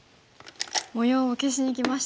模様を消しにきましたね。